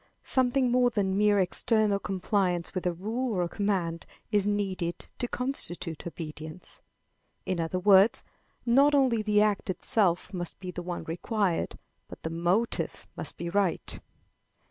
Something more than mere external compliance with a rule or a command is needed to constitute obedience. In other words, not only the act itself must be the one required, but the motive must be right.